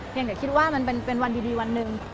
ยังแต่คิดว่ามันเป็นวันดีวันหนึ่ง